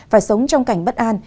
phải sống trong cảnh bất an